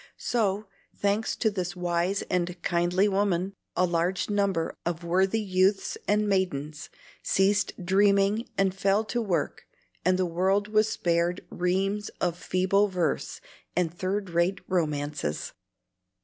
So, thanks to this wise and kindly woman, a large number of worthy youths and maidens ceased dreaming and fell to work, and the world was spared reams of feeble verse and third rate romances.